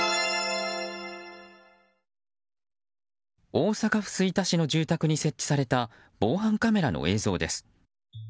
大阪府吹田市の住宅に設置された防犯カメラの映像です。